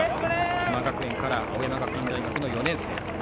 須磨学園から青山学院大学４年生。